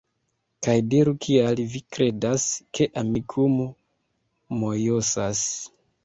Kaj diru kial vi kredas, ke Amikumu mojosas